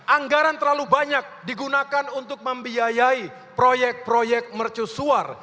anggaran terlalu banyak digunakan untuk membiayai proyek proyek mercusuar